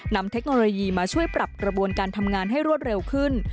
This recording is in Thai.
เทคโนโลยีมาช่วยปรับกระบวนการทำงานให้รวดเร็วขึ้น